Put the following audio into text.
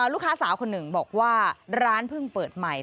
ลูกค้าสาวคนหนึ่งบอกว่าร้านเพิ่งเปิดใหม่